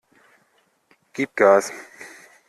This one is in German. Gib Gas!